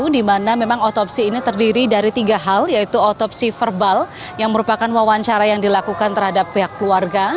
di mana memang otopsi ini terdiri dari tiga hal yaitu otopsi verbal yang merupakan wawancara yang dilakukan terhadap pihak keluarga